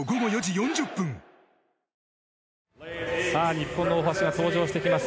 日本の大橋が登場してきます。